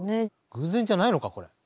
偶然じゃないのかこれ。